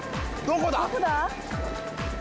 どこだ？